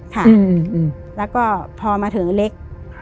ค่ะแล้วก็พอมาถึงเล็ก